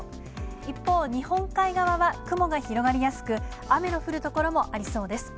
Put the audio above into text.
一方、日本海側は雲が広がりやすく、雨の降る所もありそうです。